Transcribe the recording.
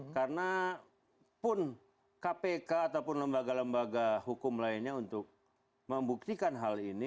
karena pun kpk ataupun lembaga lembaga hukum lainnya untuk membuktikan hal ini